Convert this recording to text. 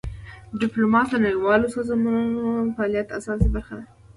ډیپلوماسي د نړیوالو سازمانونو د فعالیت اساسي برخه ده.